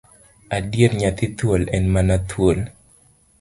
Adier nyathi thuol, en mana thuol.